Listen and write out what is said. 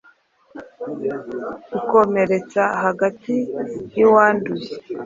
bikomeretsa hagati y’uwanduye